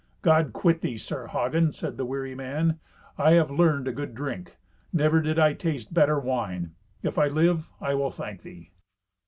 "God quit thee, Sir Hagen!" said the weary man, "I have learned a good drink. Never did I taste better wine. If I live, I will thank thee."